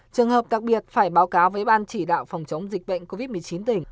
trường hợp đặc biệt phải báo cáo với ban chỉ đạo phòng chống dịch bệnh covid một mươi chín tỉnh